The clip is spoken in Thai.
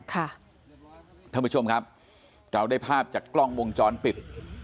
ท่านผู้ชมครับเราได้ภาพจากกล้องวงจรปิด